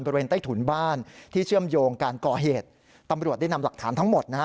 บริเวณใต้ถุนบ้านที่เชื่อมโยงการก่อเหตุตำรวจได้นำหลักฐานทั้งหมดนะฮะ